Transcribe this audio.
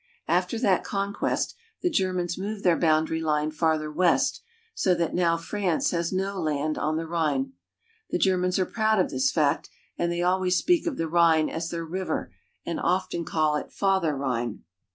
After that conquest the Germans moved their boundary line farther west, so that now France has no land on the Rhine. The Germans are proud of this fact, and they always speak of the Rhine as their river and often call it " Father Rhine."